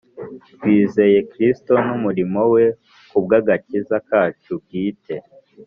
twizeye Kristo n’umurimo we ku bw'agakiza kacu bwite,